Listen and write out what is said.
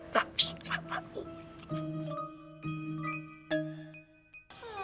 tak siapa yang melotot